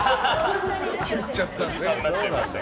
言っちゃったね。